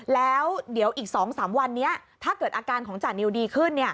แล้วเดี๋ยวอีก๒๓วันนี้ถ้าเกิดอาการของจานิวดีขึ้น